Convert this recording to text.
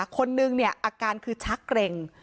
คนนึงเนี่ยอาการคือชักเกร็ง